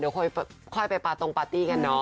เดี๋ยวค่อยไปปาตรงปาร์ตี้กันเนาะ